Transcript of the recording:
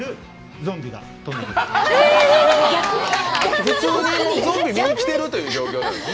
ゾンビも見に来てるということですね。